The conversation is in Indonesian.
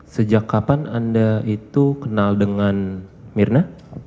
sejak kapan anda itu kenal dengan mirna